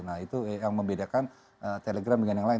nah itu yang membedakan telegram dengan yang lain